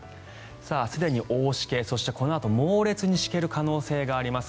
すでに大しけそして、このあと猛烈にしける可能性があります。